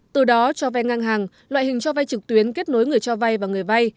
từ đó cho vay ngang hàng loại hình cho vay trực tuyến kết nối người cho vay và người vay